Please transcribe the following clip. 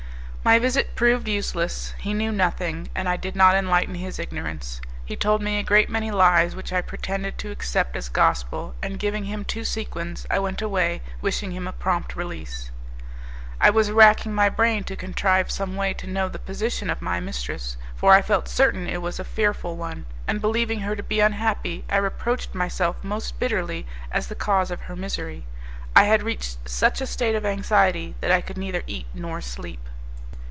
My visit proved useless; he knew nothing, and I did not enlighten his ignorance. He told me a great many lies which I pretended to accept as gospel, and giving him two sequins I went away, wishing him a prompt release. I was racking my brain to contrive some way to know the position of my mistress for I felt certain it was a fearful one and believing her to be unhappy I reproached myself most bitterly as the cause of her misery. I had reached such a state of anxiety that I could neither eat nor sleep.